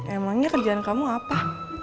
emangnya kerjaan kamu apa